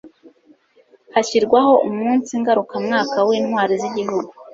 hashyirwaho umunsi ngarukamwaka w'intwari z'igihugu